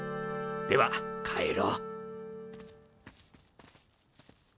では帰ろう。